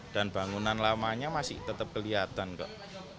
dan bangunan lamanya masih tetap kelihatan kok